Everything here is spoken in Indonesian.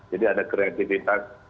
jadi ada kreatifitas